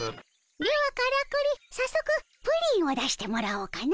ではからくり早速プリンを出してもらおうかの。